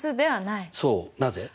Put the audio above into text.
そうなぜ？